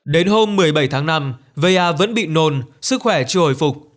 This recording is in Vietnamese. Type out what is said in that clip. đến hôm một mươi bảy tháng năm va vẫn bị nôn sức khỏe chưa hồi phục